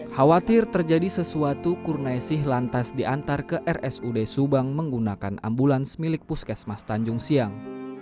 khawatir terjadi sesuatu kurna esih lantas diantar ke rsud subang menggunakan ambulans milik puskesmas tanjung siang